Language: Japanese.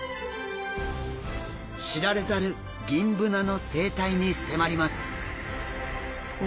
知られざるギンブナの生態に迫ります。